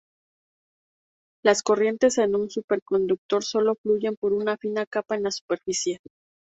Las corrientes en un superconductor solo fluyen por una fina capa en la superficie.